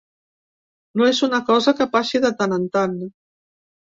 No és una cosa que passi de tant en tant.